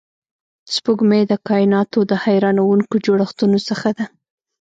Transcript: سپوږمۍ د کایناتو د حیرانونکو جوړښتونو څخه ده